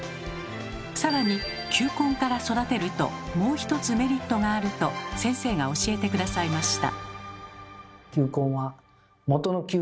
さらに球根から育てるともう一つメリットがあると先生が教えて下さいました。